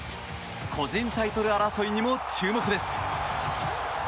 個人タイトル争いにも注目です。